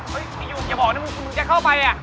เฮ้ยเฮ้ยอย่าบอกนะมึงจะเข้าไปอ่ะ